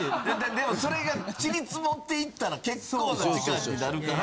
でもそれが塵積っていったら結構な時間になるから。